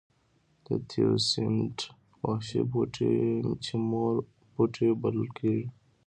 د تیوسینټ وحشي بوټی چې مور بوټی بلل کېږي.